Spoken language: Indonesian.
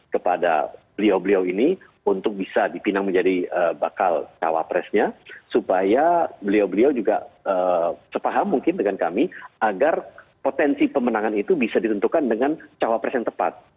kepada beliau beliau ini untuk bisa dipinang menjadi bakal cawapresnya supaya beliau beliau juga sepaham mungkin dengan kami agar potensi pemenangan itu bisa ditentukan dengan cawapres yang tepat